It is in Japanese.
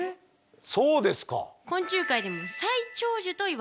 そうですか！